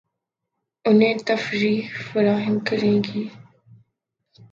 انھیں تفریح فراہم کریں گی